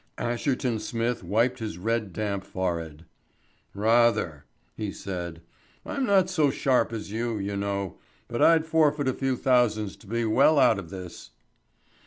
Asherton Smith wiped his red damp forehead. "Rather," he said. "I'm not so sharp as you, I know, but I'd forfeit a few thousands to be well out of this."